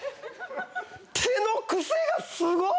手のクセがすごい！